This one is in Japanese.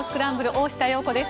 大下容子です。